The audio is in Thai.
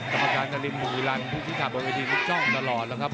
ตรรมการจริงบุรีรันดิ์พิษภาพบนวัยดินที่ช่องตลอดแล้วครับ